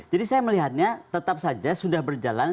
jadi saya melihatnya tetap saja sudah berjalan